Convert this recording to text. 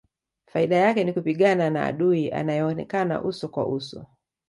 Faida yake ni kupigana na adui anayeonekana uso kwa uso